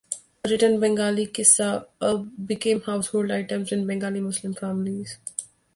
Written Bengali "kissa"s became household items in Bengali Muslim families.